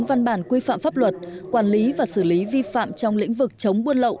văn bản quy phạm pháp luật quản lý và xử lý vi phạm trong lĩnh vực chống buôn lậu